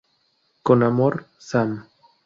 Con amor, Sam".